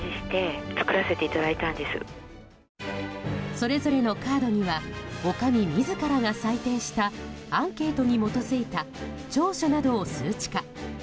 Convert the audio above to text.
それぞれのカードには女将自らが採点したアンケートに基づいた長所などを数値化。